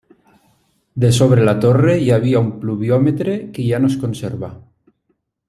De sobre la torre hi havia un pluviòmetre que ja no es conserva.